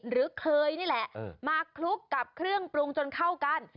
หรือเคยนี่แหละมาคลุกกับเครื่องปรุงจนเข้ากัน